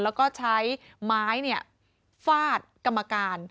แล้วก็ใช้ไม้ฟาดกรรมการ